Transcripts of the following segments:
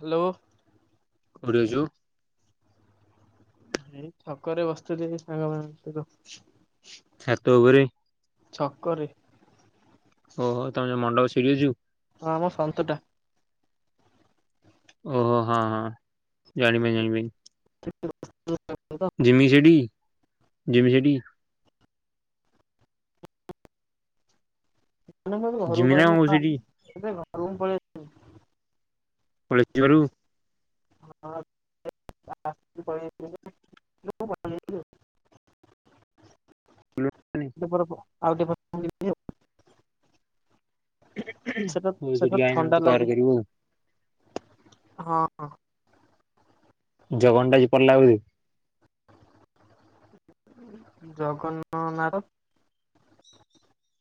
Hello କୋଢି ଅଛୁ ଏଇ ଛକରେ ବସିୁଥିଲ ସାଙ୍ଗମାନଙ୍କ ସହିତ ଛାଟ ଉପରେ ଛକରେ ଓହୋ ତମେ ଯୋ ମଣ୍ଡପ ସିଡି ଅଛୁ ହଁ ଆମ ସନ୍ତୁଟା ଓହୋ ହଁ ହଁ ଜାଣିବି ଜଣିିବି। ହ ଜିମି ସେଢିକି? ଜିମି ସେଥିକି? ଜିମି ନା କଣ କହୁଚୁ ସେଠି [unintelligible] [unintelligible] [unintelligible] [unintelligible] [unintelligible] ଆଉଟେ ପରେ ନହେଲେ ଯିବି ଆଉ। ହୁଁ ହୁଁ ସେଟା ତୁ ସେଟା ସେଠିକି ଅଇଲେ ଥଣ୍ଡା ମତେ କଲ୍ ଲାଗୁଛି କରିବୁ ଆଉ। ହଁ। ଜଗନ୍ନା ଟା ଆଜି ପଳେଇଲା ବୋଧେ? ଜଗନ ନା ତ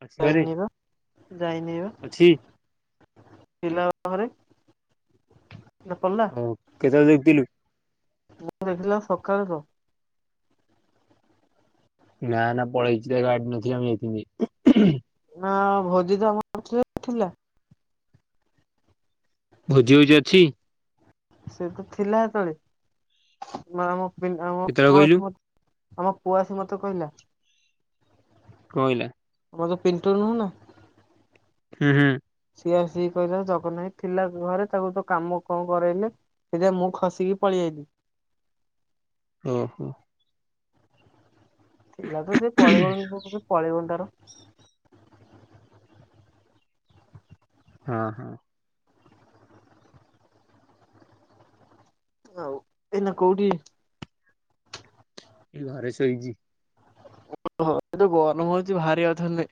ଅଛି ଘରେ ଯାଇନିର ଯାଇନିବା ଅଛି ପିଲା ଘରେ। [inaudible] ନା ପଳେଇଲା। ଓ କେତେବେଳେ ଦେଖିଥିଲୁ? ମୁଁ ଦେଖିଲା ସକାଳଠୁ ନା ନା ପଳେଇଛିି ତ ଗାଡି ନ ଆମ ଯାଇଥିଲି। ହଁ ଭୋଜି ଟା। [unintelligible] ଭୋଜି ଭୋଜି ଅଛି। ସେ ତ ଥିଲା ହେତଳେ ନା ମ। [unintelligible] କେତେବେଳେ କହିଲୁ ଆମ ପୁଅସି ମତେ କହିଲା। କହିଲା ମୁଁ ଯୋଉ ପିଣ୍ଟୁ ନୁହୁଁ ନା ହୁଁ ହୁଁ। ତିଆସ କହିଲ ଜଗନ୍ନାଥ ଥିଲା ଘରେ ତାକୁ ତ କାମ କଣ କରାଇଲେ ସେଟା ମୁଁ ଖସିକି ପଳେଇଆଇଲିି ଓହୋ। ଥିଲା ତ ସେ ପଳେଇଗ ପଳେଇଗନ ତାର। ହଁ ହଁ। ଆଉ ଏନା କଉଠି? ଏଇ ଘରେ ଶୋଇଛି। ଏ ଗରମ ହଉଛି ଭାରି ଅଥର ନେ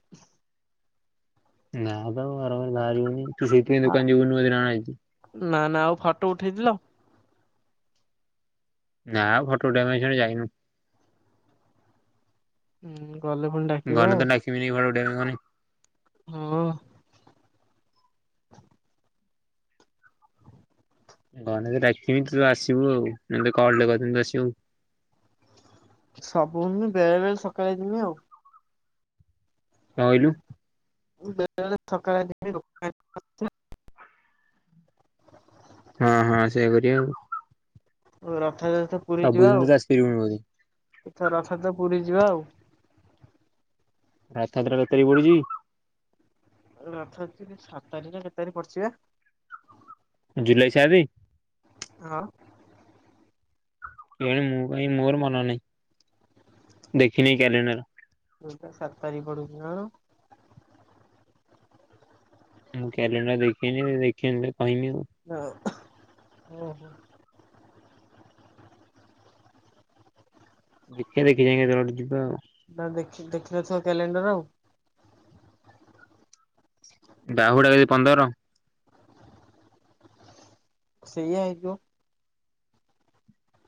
ନାଁଦ ଗରମ ରେ ବାହାରି ହୋଉନି। [unintelligible] ନା ନା ଆଉ ଫଟୋ ଉଠେଇଥିଲ? ନା ଫଟୋ ଉଠେଇବା କୁ ସିଆଡେ ଯାଇନୁ। ହୁଁ। ଗଲେ ପୁଣି ଡାକିବ ଘନ ଆଉ ତ ଡାକିବିନି ଘର। ଦେଢ଼ହୁଁ। ହଁ। ଘଲେକ ଡାକିବି ତୁ ଆସିବୁ ଆଉ ମେେ କିଲେ କମତି ଆସିବୁ। ସବୁ ହମି ବେଳେ ବେଳେ ସକାଳେ ଯମି ଆଉ। କ କହିଲୁ। ବେଳେଳେ ସକାଳେ। ହଁ ହଁ ସେଇଆ କର। ହ ର ରଥ ଯଥ ପୁରୀ ଯିବା ଆଉ ଆସିପାରିବୁନି ବୋଧେ। ଏଥ ରଥ ତ। ପୁରୀ ଯିବା ଆଉ। ରାଥାତ୍ରା ତତାର ପଡୁଛି। ରଥ ଅଛି ସାତ ତାରିଖ ନା କେତେ ତାରିଖ ପଢଚିବା। ଜୁଲାଇ ଚାରି। ସେ ମୁଁ କ ମୋର ମନ ନାହିଁ ଦେଖିନି କ୍ୟାଲେଣ୍ଡର। ହ ତ ସାତ ତି ପଡୁଛି ଆଣ। ମୁଁ କ୍ୟାଲେଣ୍ଡର ଦେଖିନି ଦେଖିନ। ହ ଓ ହୋ। ଦେଖିବା ଦେଖି ଯାଇ ତେବେ ଯିବା ଆଉ। ନା ଦେଖ ଦେଖିନଥିବ କ୍ୟାଲେଣ୍ଡର ଆଉ। ବାହୁଡ଼ା ବି ପନ୍ଦର। ସେଇଆ ହେଇଥିବ।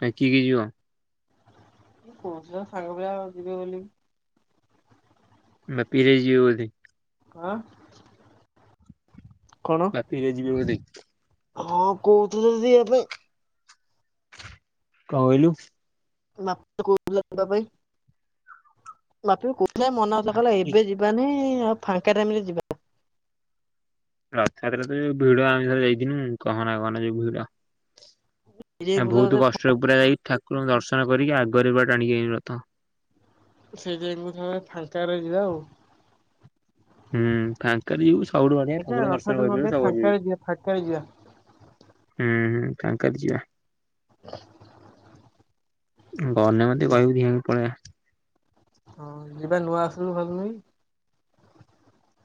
ଆଉ କିଏ କିଏ ଯିବ। ସେ କହୁଥିଲା ସାଙ୍ଗ ପିଲା ଆଉ ଯିବେ ବୋଲିକି। ବାପି ଭାଇ ଯିବ ବୋଳି। କା ଆ। ବାପିରେ ଯିବେ ଗୋଡି। ହଁ କହୁଥିଲା ତ ଯିବା ପାଇଁ। କଣ କହିଲୁ? ବାପି କହୁଥିଲା ଯିବା ପାଇଁ। ଲପ ନା ମନା କରିଦେଲା ଏବେ ଯିବାନି ଫାଙ୍କା ଟାଇମରେ ଯିବା। ରଥଯାତ୍ରାରେ ଯୋଉ ଭିଡ ଆମେ ଯୋ ଯାଇଥିଲୁ କହନା କହନା ଯୋଉ ଭିଡ। ଆଉ ସେଇଥିପାଇଁ ବହୁତ କଷ୍ଟରେ ପୁରା ଯାଇ ଠାକୁରଙ୍କ ଦର୍ଶନ। ଦର୍ଶନ କରିକି ଆଗରେ ବା ଟାଣିକି ଆଇଲୁ ରଥ। ସେଇ ଯାଇକି କଣ ଫାଙ୍କା ରହିଯିବା ଆଉ। ହୁଁ ଫାଙ୍କାରେ ସବୁଠୁ ବଢ଼ିଆ ଦେଖିବା ଠାକୁରଙ୍କ ଦର୍ଶନ ରଥଯାତ୍ରା ନହେଲେ କରିିପାରିବେ, ସବୁ ଫାଙ୍କାରେ ଯିବା ଫାଙ୍କାରେ ଯିବା କରିପାରିବେ ହୁଁ। ଫାଙ୍କାରେ ଯିବା। ଆ ଗଲେ ମତେ କହିବୁ ଦି ଜଣ ପଳେଇଵା। ହଁ ଯିବା ନୂଆ ବର୍ଷ [inaudible]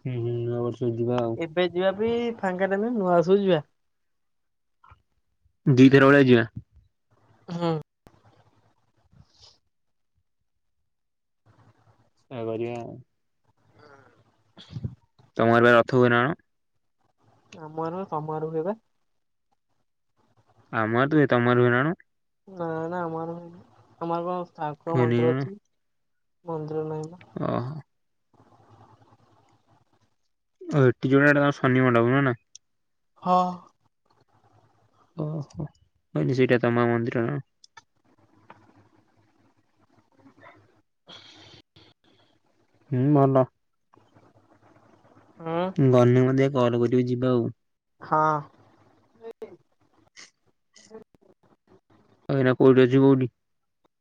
ହୁଁ ହୁଁ ନୂଆ ବର୍ଷ, ଯିବା ଆଉ, ଯିବା ଏବେ ଫାଙ୍କା ନଥିବ ନୂଆ ବର୍ଷରେ ଯିବା। ଦି ଦିନ ଭଳିଆ ଯିବା। ହୁଁ ସେଆ କରିଵା ଆଉ। [inaudible] ତମ ଗାଁରେ ରଥ ହୁଏନା କ'ଣ? ଆମର ସମାରୋହ ହେବେ। ଆମର ତ ହୁଏ ତମର ହୁଏ ନା କ'ଣ? ନା ନା ଆମର ଆମର କଣ ଠାକୁର ହୁଏନି ମନ୍ଦିର ନା କଣ? ଅଛି। ହୁଁ ସେଟାରେ ନାଇ ଵା [inaudible] ଓହୋ ଆଉ ଏଟି କଣ ଏଟା ତାଙ୍କ ଶନି ମଣ୍ଡପ ନୁହଁ ନା। ହଁ ଓହୋ ବାଟେ ସେଇଟା ତମ ମନ୍ଦିର ନା। [inaudible] ହୁଁ ଭଲ ହୁଁ ଗନି ମଧ୍ୟ କଲ କରିବି ଯିବା ଆଉ। ହଁ। ଏଇନା କୋଉଠି ଅଛୁ କୋଉଠି?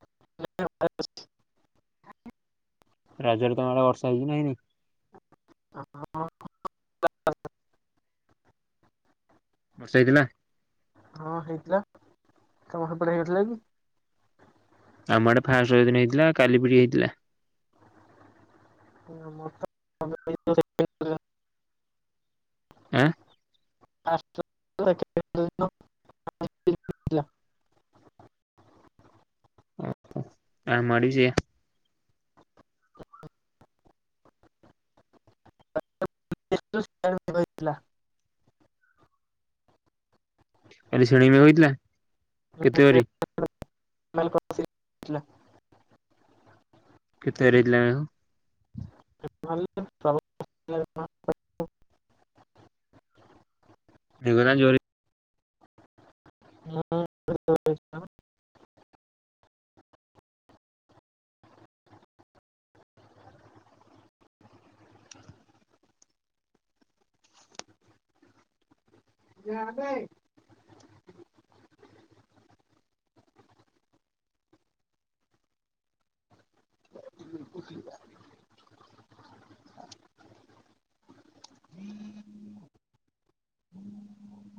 [unintelligible] ରଜରେ ତମର ବର୍ଷା ହେଇଚି ନା ହେଇନି? ହଁ [unintelligible] ବର୍ଷା ହେଇଥିଲା? ହଁ ହେଇଥିଲା ତମ ସେପଟେ ହେଇନଥିଲା କି? ଆମ ଆଡେ ଫାଷ୍ଟ୍ ରଜ ଦିନ ହେଇଥିଲା କାଲି ପିଡି ହେଇଥିଲା। [unintelligible] ଆଁ [unintelligible] ଓହୋ ଆମ ଆଡେ ବି ସେୟା। [unintelligible] କାଲି ସେଣେ ବି ହୋଇଥିଲା? [unintelligible] ବର୍ଷା କେତେଟାରେ ହେଇଥିଲା ମେଘ? [unintelligible] ଅଗଟା ଜରି, ହଁ [unintelligible] [unintelligible] [inaudible]